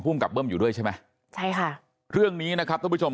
กับเบิ้มอยู่ด้วยใช่ไหมใช่ค่ะเรื่องนี้นะครับท่านผู้ชม